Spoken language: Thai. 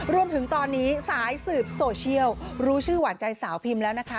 รวมถึงตอนนี้สายสืบโซเชียลรู้ชื่อหวานใจสาวพิมพ์แล้วนะคะ